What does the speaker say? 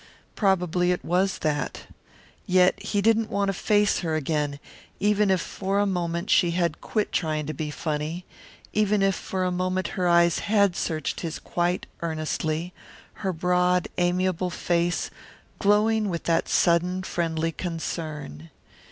Probably it was that. Yet he didn't want to face her again, even if for a moment she had quit trying to be funny, even if for a moment her eyes had searched his quite earnestly, her broad, amiable face glowing with that sudden friendly concern.